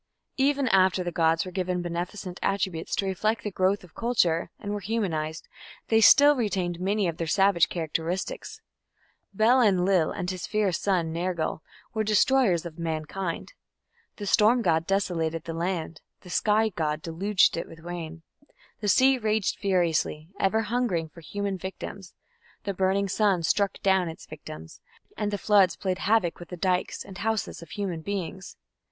_ Even after the gods were given beneficent attributes to reflect the growth of culture, and were humanized, they still retained many of their savage characteristics. Bel Enlil and his fierce son, Nergal, were destroyers of mankind; the storm god desolated the land; the sky god deluged it with rain; the sea raged furiously, ever hungering for human victims; the burning sun struck down its victims; and the floods played havoc with the dykes and houses of human beings.